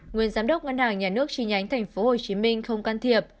nguyên giám đốc ngân hàng nhà nước chi nhánh tp hcm không can thiệp